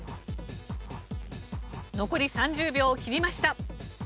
残り３０秒を切りました。